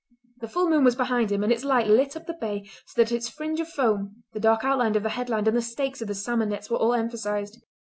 The full moon was behind him and its light lit up the bay so that its fringe of foam, the dark outline of the headland, and the stakes of the salmon nets were all emphasised.